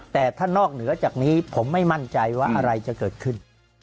แต่ถ้านอกเหนือจากนี้ผมไม่มั่นใจว่าอะไรจะเกิดขึ้น